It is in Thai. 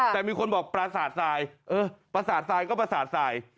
แต่มีคนบอกปราสาทสายเออปราสาทสายก็ปราสาทสาย